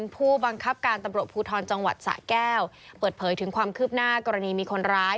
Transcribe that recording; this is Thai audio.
ผู้บังคับการตำรวจภูทรจังหวัดสะแก้วเปิดเผยถึงความคืบหน้ากรณีมีคนร้าย